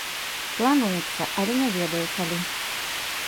Плануецца, але не ведаю, калі.